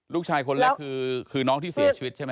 ลูกชายคนเล็กคือน้องที่เสียชีวิตใช่ไหม